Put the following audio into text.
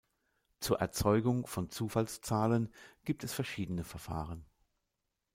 Zur Erzeugung von Zufallszahlen gibt es verschiedene Verfahren.